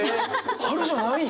春じゃないん？